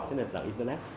trên nền tảng internet